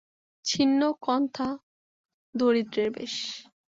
ছিন্ন কন্থা দরিদ্রের বেশ।